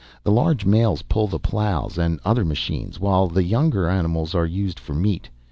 The large males pull the ploughs and other machines, while the younger animals are used for meat.